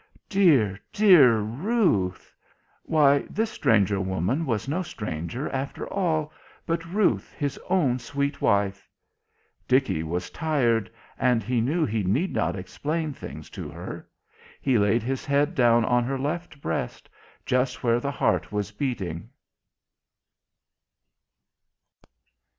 "Dear, dear Ruth " Why, this stranger woman was no stranger, after all, but Ruth, his own sweet wife. Dickie was tired, and he knew he need not explain things to her. He laid his head down on her left breast, just where the heart was beating.